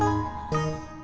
terima kasih ya